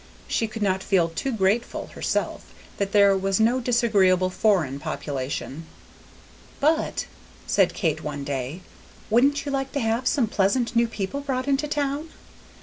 She could not feel too grateful, herself, that there was no disagreeable foreign population. "But," said Kate one day, "wouldn't you like to have some pleasant new people brought into town?"